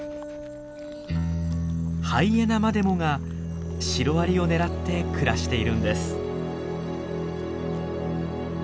ハイエナまでもがシロアリを狙って暮らしているんです。